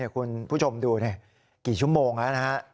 คุณผู้ชมดูกี่ชั่วโมงแล้วนะฮะ